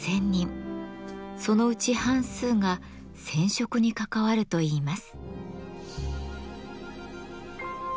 そのうち半数が「染織」に関わるといいます。